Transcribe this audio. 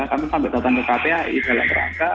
kami sampai datang ke kpi jalan kerangka